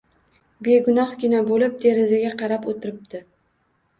Begunohgina bo‘lib derazaga qarab o‘tiribdi.